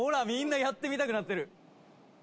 みんなやってみたくなってる」